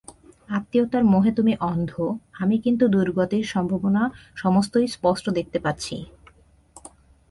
আত্মীয়তার মোহে তুমি অন্ধ, আমি কিন্তু দুর্গতির সম্ভাবনা সমস্তই স্পষ্ট দেখতে পাচ্ছি।